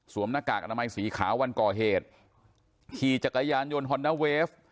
หน้ากากอนามัยสีขาววันก่อเหตุขี่จักรยานยนต์ฮอนด้าเวฟ